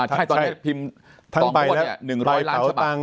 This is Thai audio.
ใช่ตอนนี้พิมพ์ต่องวด๑๐๐ล้านชะบัง